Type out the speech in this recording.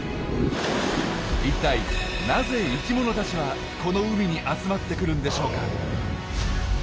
いったいなぜ生きものたちはこの海に集まってくるんでしょうか？